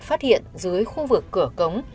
phát hiện dưới khu vực cửa cống